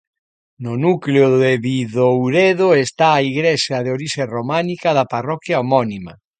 No núcleo de Bidouredo está a igrexa de orixe románica da parroquia homónima.